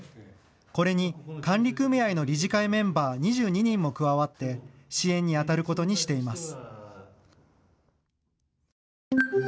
これに管理組合の理事会メンバー２２人も加わって支援にあたることにしています。